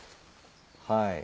はい。